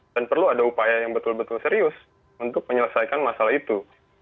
dan perlu ada upaya yang betul betul serius untuk menyelesaikan masalah itu